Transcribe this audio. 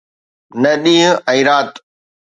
نه ڏينهن ۽ رات